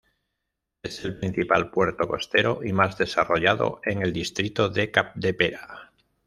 Es el principal puerto costero y más desarrollado en el distrito de Capdepera.